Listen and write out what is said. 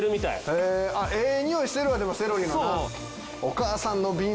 ええにおいしてるわセロリのな。